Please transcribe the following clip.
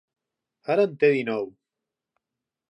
Ara en té dinou.